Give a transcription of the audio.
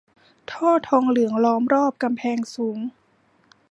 ท่อทองเหลืองล้อมรอบกำแพงสูง